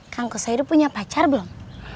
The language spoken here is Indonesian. kang kusoy udah punya pacar belum